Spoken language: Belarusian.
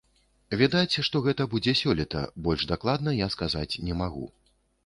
Відаць, што гэта будзе сёлета, больш дакладна я сказаць не магу.